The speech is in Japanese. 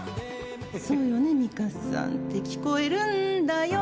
「そうよね美香さん」「って聞こえるんだよ」